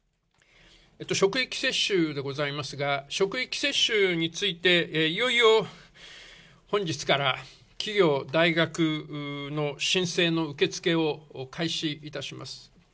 職域接種でございますが、職域接種について、いよいよ本日から、企業、大学の申請の受け付けを開始いたします。